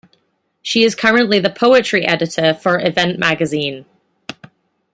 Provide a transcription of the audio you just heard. She is currently the Poetry Editor for Event Magazine.